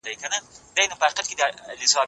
نيم د پوره څخه کم يي.